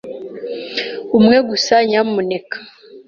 Umwe gusa, nyamuneka.